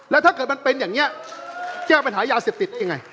แล้วถ้าเกิดมันเป็นแบบนี้แกป็นถ่ายยาเสพติดได้ยังไง